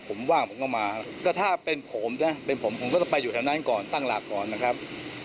ผมว่างผมก็มาก็ถ้าเป็นผมนะเป็นผมผมก็ต้องไปอยู่แถวนั้นก่อนตั้งหลักก่อนนะครับ